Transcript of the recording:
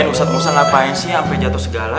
lagi ustadz musa ngapain sih sampe jatoh segala